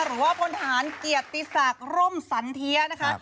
หรือว่าพลทหารเกียรติศักดิ์ร่มสันเทียนะคะ